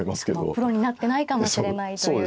もうプロになってないかもしれないという。